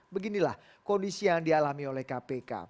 beginilah kondisi yang dialami oleh kpk